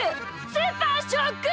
スーパーショック！